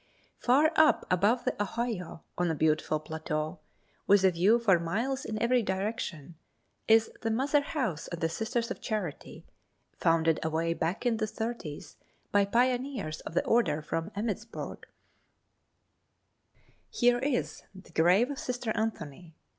Far up above the Ohio, on a beautiful plateau, with a view for miles in every direction, is the mother house of the Sisters of Charity, founded away back in the thirties by pioneers of the order from Emmittsburg, Md. Here is the grave of Sister Anthony.